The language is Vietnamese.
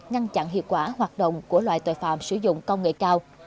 ngăn chặn hiệu quả hoạt động của loại tội phạm sử dụng công nghệ cao